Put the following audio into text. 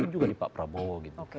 juga di pak prabowo gitu